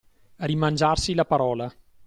Rimangiarsi la parola.